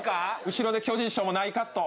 後ろで巨人師匠も「ないか？」と。